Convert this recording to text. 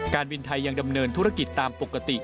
การบินไทยยังดำเนินธุรกิจตามปกติ